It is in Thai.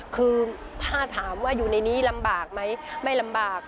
คือถ้าถามว่าอยู่ในนี้ลำบากไหมไม่ลำบาก